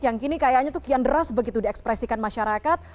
yang kini kayaknya itu kian deras begitu diekspresikan masyarakat